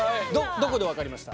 どこで分かりました？